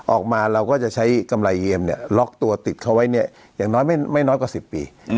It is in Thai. ออกมาเราก็จะใช้กำไรเยียมเนี่ยล็อกตัวติดเขาไว้เนี่ยอย่างน้อยไม่น้อยกว่า๑๐ปี